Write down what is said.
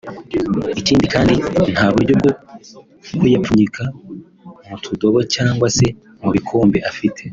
Ikindi kandi nta buryo bwo kuyapfunyika mu tudobo cyangwa se mu bikombe afite